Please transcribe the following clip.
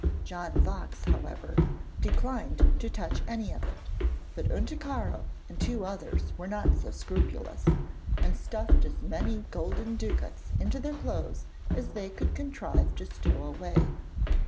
John Fox, however, declined to touch any of it, but Unticaro and two others were not so scrupulous, and stuffed as many golden ducats into their clothes as they could contrive to stow away.